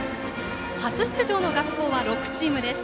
初出場の学校は６チームです。